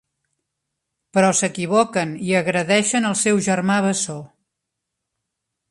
Però s'equivoquen i agredeixen el seu germà bessó.